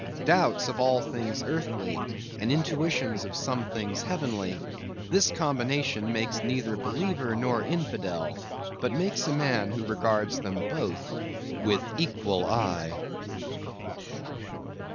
Doubts of all things earthly, and intuitions of some things heavenly; this combination makes neither believer nor infidel, but makes a man who regards them both with equal eye.